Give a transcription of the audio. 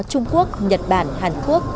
trung quốc nhật bản hàn quốc